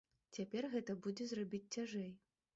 Цяпер гэта будзе зрабіць цяжэй.